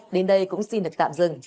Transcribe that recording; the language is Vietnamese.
đến đây cũng xin được tạm dừng